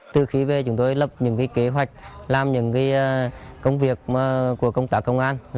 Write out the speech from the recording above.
từ khi về chúng tôi lập những kế hoạch làm những công việc của công tác công an